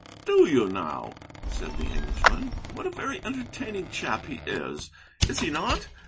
"Do you, now?" said the Englishman; "what a very entertaining chap he is, is he not?